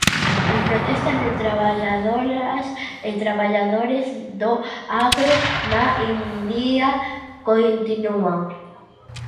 As protestas de traballadoras e traballadores do agro na India continúan.